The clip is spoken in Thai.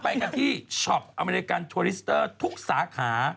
ไปกันที่ช็อปอเมริกันทัวลิสเตอร์ทุกสาขา